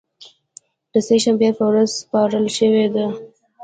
د سې شنبې په ورځ سپارل شوې ده